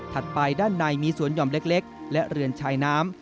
ไปด้านในมีสวนหย่อมเล็กและเรือนชายน้ำ